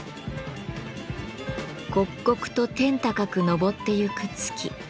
刻々と天高く昇ってゆく月。